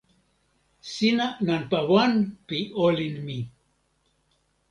sina nanpa wan pi olin mi.